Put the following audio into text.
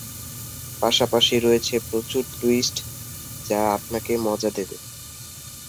পাশাপাশি রয়েছে প্রচুর টুইস্ট যা আপনাকে মজা দেবে।